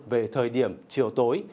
về thời điểm chiều tối